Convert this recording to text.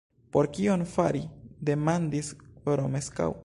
Por kion fari? demandis Romeskaŭ.